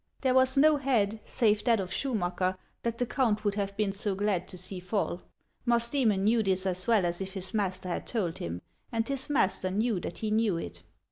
There was no head, save that of Schumacker, that the count would have been so glad to see fall ; Musdctmon knew this as well as if his master had told him, and his master knew that he knew it.